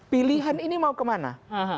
pilihan ini mau kemana